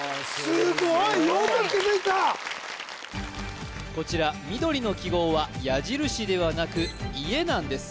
すごいこちら緑の記号は矢印ではなく家なんです